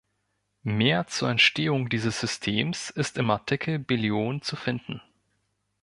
Mehr zur Entstehung dieses Systems ist im Artikel Billion zu finden.